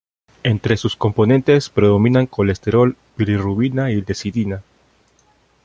Entre sus componentes predominan colesterol, bilirrubina y lecitina.